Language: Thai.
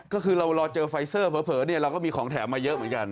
ก็คือเรารอเจอไฟเซอร์เผลอเราก็มีของแถมมาเยอะเหมือนกัน